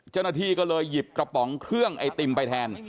เจ้าหน้าที่ก็เลยหยิบกระป๋องเครื่องไอติมไปแทน